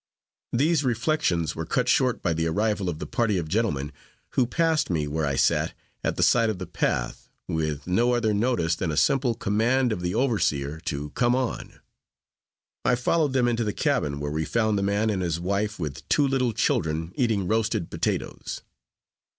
These reflections were cut short by the arrival of the party of gentlemen, who passed me where I sat, at the side of the path, with no other notice than a simple command of the overseer to come on. I followed them into the cabin, where we found the man and his wife, with two little children, eating roasted potatoes.